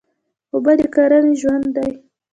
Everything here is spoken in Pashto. اوبه د کرنې ژوند دی.